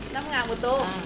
năm ngò một tô